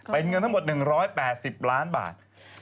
เป็นเงินทั้งหมด๑๘๐ล้านบาท